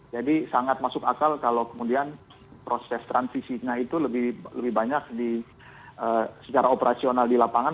jadi sangat masuk akal kalau kemudian proses transisinya itu lebih banyak secara operasional di lapangan